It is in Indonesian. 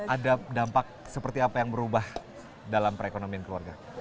ada dampak seperti apa yang berubah dalam perekonomian keluarga